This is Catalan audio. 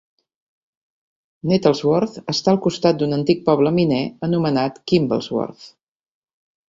Nettlesworth està al costat d'un antic poble miner anomenat Kimblesworth.